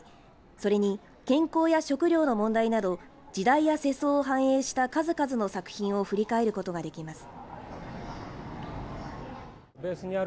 それに健康や食糧の問題など時代や世相を反映した数々の作品を振り返ることができます。